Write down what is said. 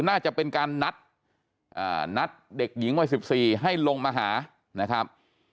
น่าจะเป็นการนัดเด็กหญิงวัย๑๔ให้ลงมาหานะครับ